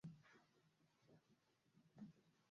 adabiyotlar bir-biriga vobasta, bir-biridan bahramand.